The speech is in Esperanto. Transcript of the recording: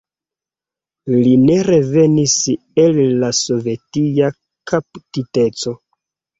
Li ne revenis el la sovetia kaptiteco.